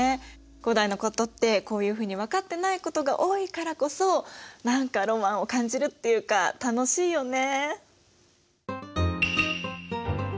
古代のことってこういうふうに分かってないことが多いからこそ何かロマンを感じるっていうか楽しいよね。